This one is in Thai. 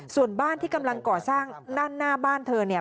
ส่วนบ้านที่กำลังก่อสร้างด้านหน้าบ้านเธอเนี่ย